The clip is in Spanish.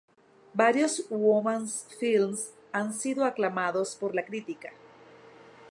Varios "woman's films" han sido aclamados por la crítica.